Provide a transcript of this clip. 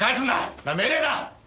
これは命令だ！